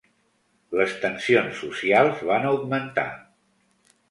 Les tensions socials van augmentar.